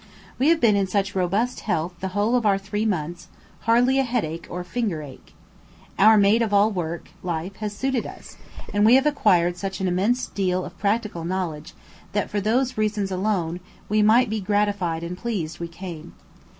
We have been in such robust health the whole of our three months, hardly a headache or finger ache. Our maid of all work life has suited us, and we have acquired such an immense deal of practical knowledge that for those reasons alone, we might be gratified and pleased we came.